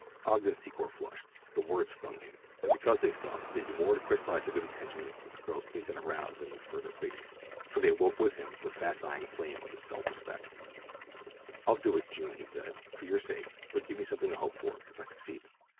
Ogden Secor flushed. The words stung him, and because they stung, they did more to crystalize the good intentions that the girl's pleas had aroused than would further pleading, for they awoke with him the fast dying flame of his self respect. "I'll do it, June," he said, "for your sake; but give me something to hope for, if I succeed.